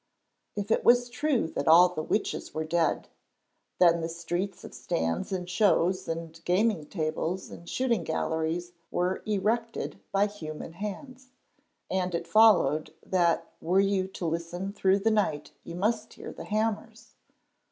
If it was true that all the witches were dead, then the streets of stands and shows and gaming tables and shooting galleries were erected by human hands, and it followed that were you to listen through the night you must hear the hammers.